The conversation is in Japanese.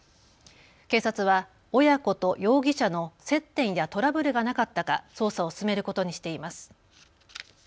警察は親子と容疑者の接点やトラブルがなかったか捜査を進めることにしています。